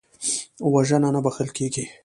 وژنه نه بخښل کېږي